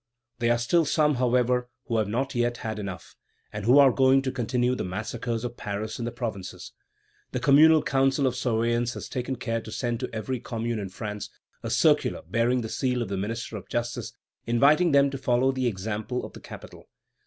There are still some, however, who have not yet had enough, and who are going to continue the massacres of Paris in the provinces. The Communal Council of Surveillance has taken care to send to every commune in France a circular bearing the seal of the Minister of Justice, inviting them to follow the example of the capital.